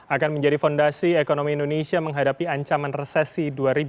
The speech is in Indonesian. akan menjadi fondasi ekonomi indonesia menghadapi ancaman resesi dua ribu dua puluh